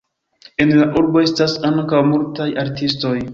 En la urbo estas ankaŭ multaj artistoj.